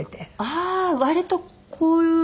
ああ割とこういう。